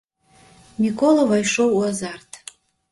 Мікола ўвайшоў у азарт.